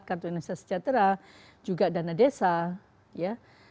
kartu indonesia sejahtera juga dana desa ya